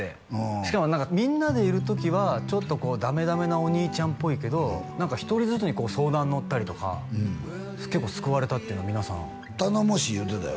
しかも何かみんなでいる時はちょっとダメダメなお兄ちゃんっぽいけど１人ずつに相談乗ったりとか結構救われたっていうの皆さん頼もしい言うてたよ